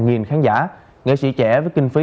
nghìn khán giả nghệ sĩ trẻ với kinh phí